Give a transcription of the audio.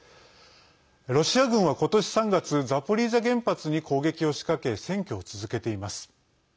ロシア軍は今年３月ザポリージャ原発に攻撃を仕掛け占拠を続けています。